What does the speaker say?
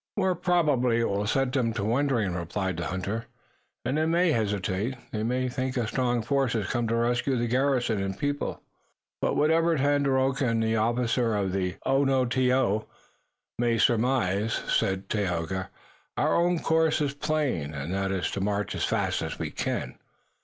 "More probably it will set them to wondering," replied the hunter, "and they may hesitate. They may think a strong force has come to rescue the garrison and people." "But whatever Tandakora and the officer of Onontio may surmise," said Tayoga, "our own course is plain, and that is to march as fast as we can."